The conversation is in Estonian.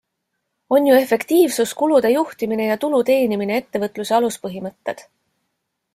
On ju efektiivsus, kulude juhtimine ja tulu teenimine ettevõtluse aluspõhimõtted.